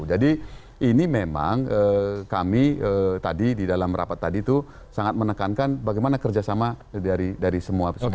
jadi ini memang kami tadi di dalam rapat tadi itu sangat menekankan bagaimana kerjasama dari semua pihak